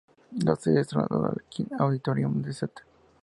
La serie se trasladó al Kiel Auditorium de St.